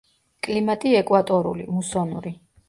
კლიმატი ეკვატორული, მუსონური.